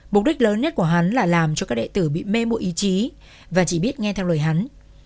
mục đích lớn nhất của hắn là làm cho các đại tử bị mê mụ ý chí và chỉ biết nghe theo lời hắn